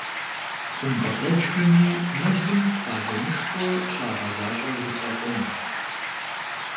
ХъумпӀэцӀэджхэми мэзым къалэнышхуэ щагъэзащӏэу жыпӏэ хъунущ.